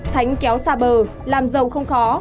thánh kéo xa bờ làm giàu không khó